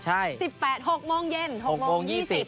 ใช่๑๘นาที๖โมงเย็น๖โมง๒๐นาที